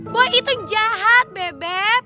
boy itu jahat bebe